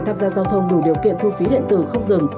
tham gia giao thông đủ điều kiện thu phí điện tử không dừng